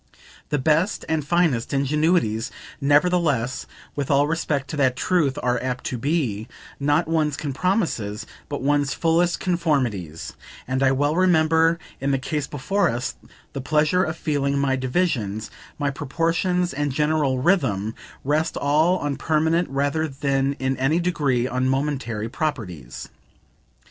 The best and finest ingenuities, nevertheless, with all respect to that truth, are apt to be, not one's compromises, but one's fullest conformities, and I well remember, in the case before us, the pleasure of feeling my divisions, my proportions and general rhythm, rest all on permanent rather than in any degree on momentary proprieties.